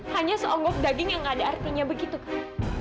hanya seonggok daging yang gak ada artinya begitu kan